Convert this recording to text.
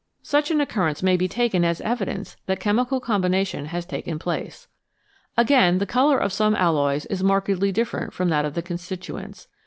Such an occurrence may be taken as evidence that chemical com bination has taken place. Again, the colour of some alloys is markedly different from that of the constituents.